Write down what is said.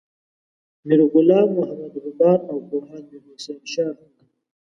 میر غلام محمد غبار او پوهاند میر حسین شاه هم دي.